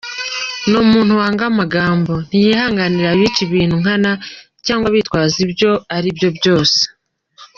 Ni umuntu wanga amagambo ; ntiyihanganira abica ibintu nkana cyangwa bitwaza ibyo ari byo byose.